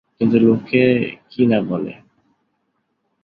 কিন্তু লোকে কী না বলে।